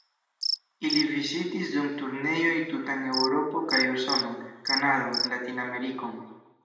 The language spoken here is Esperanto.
Ili vizitis dum turneoj tutan Eŭropon kaj Usonon, Kanadon, Latin-Amerikon.